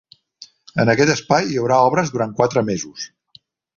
En aquest espai hi haurà obres durant quatre mesos.